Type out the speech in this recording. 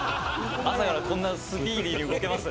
朝からこんなスピーディーに動けます？